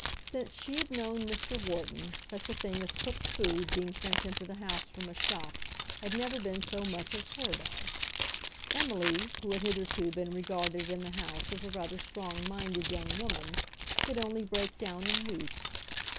Since she had known Mr. Wharton such a thing as cooked food being sent into the house from a shop had never been so much as heard of. Emily, who had hitherto been regarded in the house as a rather strong minded young woman, could only break down and weep.